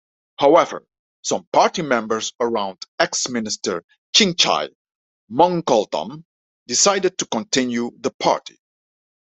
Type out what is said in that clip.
However, some party members around ex-minister Chingchai Mongcoltam, decided to continue the party.